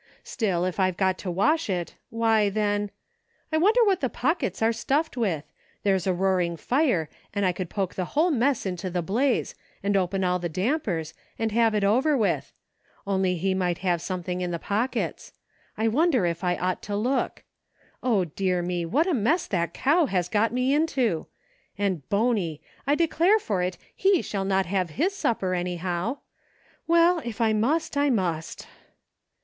Still, if I've got to wash it, why, then — I wonder what the pockets are stuffed with } There's a roaring fire, and I could poke the whole mess into the blaze, and open all the dampers, and have it over with — only he might have something in the pockets. I wonder if I ought to look } O, dear me, what a mess that cow has got me into ! And Bony, I declare for it, he shall not have his sup per, anyhow ! Well, if I must, I must."